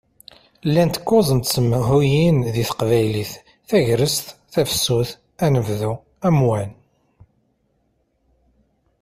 Llant kuẓ n tsemhuyin di teqbaylit: Tagrest, Tafsut, Anebdu, Amwan.